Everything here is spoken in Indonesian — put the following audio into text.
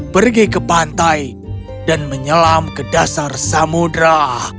pergi ke pantai dan menyelam ke dasar samudera